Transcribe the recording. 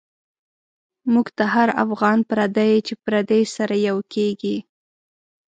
موږ ته هر افغان پردی، چی پردی سره یو کیږی